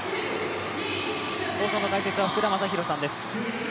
放送の解説は福田正博さんです。